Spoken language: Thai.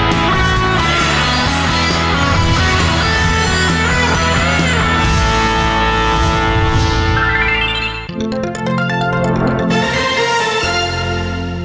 โปรดติดตามตอนต่อไป